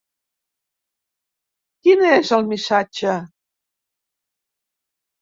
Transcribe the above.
Quin és el missatge?